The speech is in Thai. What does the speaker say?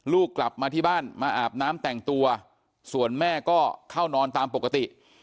ลูกกลับมาที่บ้านมาอาบน้ำแต่งตัวส่วนแม่ก็เข้านอนตามปกติ